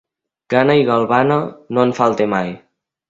Gana i galvana no en falta mai.